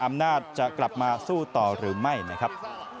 อำนาจจะกลับมาสู้ต่อหรือไม่นะครับ